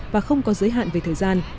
và không có giới hạn về thời gian